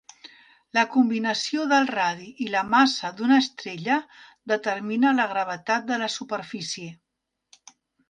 La combinació del radi i la massa d'una estrella determina la gravetat de la superfície.